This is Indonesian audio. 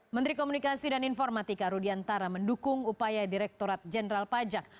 menteri komunikasi dan informatika rudiantara mendukung upaya direkturat jenderal pajak